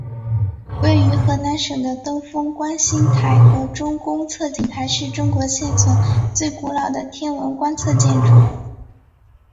位于河南省的登封观星台和周公测景台是中国现存最古老的天文观测建筑。